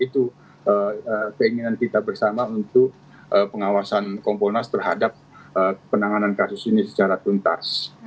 itu keinginan kita bersama untuk pengawasan kompolnas terhadap penanganan kasus ini secara tuntas